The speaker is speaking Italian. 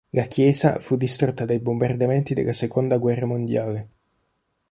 La chiesa fu distrutta dai bombardamenti della seconda guerra mondiale.